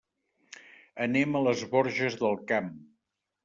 Anem a les Borges del Camp.